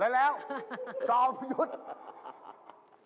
แล้วชอบยุทธ